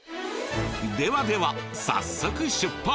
ではでは早速出発！